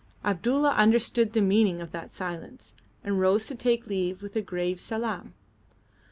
Abdulla understood the meaning of that silence, and rose to take leave with a grave salaam.